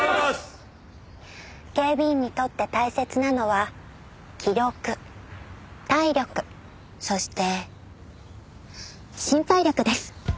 警備員にとって大切なのは気力体力そして心配力です。